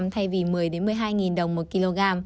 thay vì một mươi một mươi hai đồng một kg